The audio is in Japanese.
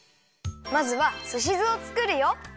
まずはすし酢をつくるよ。